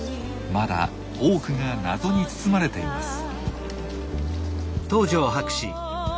まだ多くが謎に包まれています。